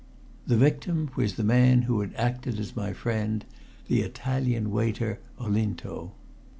The victim was the man who had acted as my friend the Italian waiter, Olinto.